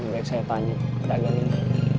baik saya tanya pedagang ini